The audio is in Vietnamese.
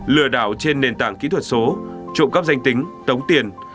lừa đảo trên nền tảng kỹ thuật số trộm cắp danh tính tống tiền